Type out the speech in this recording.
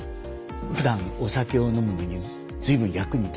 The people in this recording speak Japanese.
ふだんお酒を飲むのに随分役に立ちますよね。